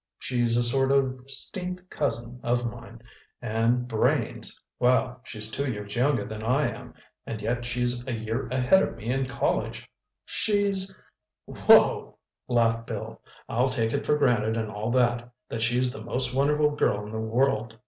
She's a sort of 'steenth cousin of mine—and brains—well, she's two years younger than I am and yet she's a year ahead of me in college. She's—" "Whoa!" laughed Bill. "I'll take it for granted and all that, that she's the most wonderful girl in the world....